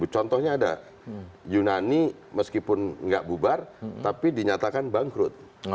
contohnya ada yunani meskipun nggak bubar tapi dinyatakan bangkrut